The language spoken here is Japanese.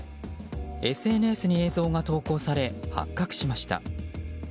ＳＮＳに映像が投稿され発覚しました。